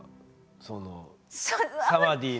そのサワディーの。